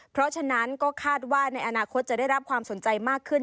เพราะฉะนั้นก็คาดว่าในอนาคตจะได้รับความสนใจมากขึ้น